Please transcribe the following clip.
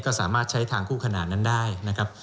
ก็สามารถใช้ทางคู่ขนาดนั้นได้นะครับ